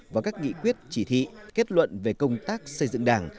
và các nghị quyết chỉ thị kết luận về công tác xây dựng đảng